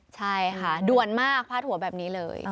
ใช่ค่ะด่วนมากพาดหัวแบบนี้เลย